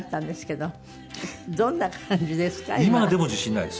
どんな感じですか？